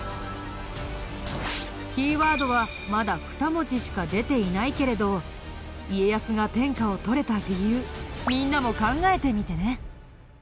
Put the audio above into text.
キーワードはまだ２文字しか出ていないけれど家康が天下を取れた理由。